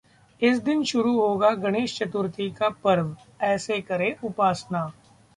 इस दिन शुरू होगा गणेश चतुर्थी का पर्व, ऐसे करें उपासना